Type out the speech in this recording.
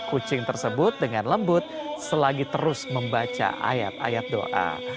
kucing tersebut dengan lembut selagi terus membaca ayat ayat doa